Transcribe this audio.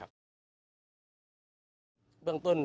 เบื้องต้น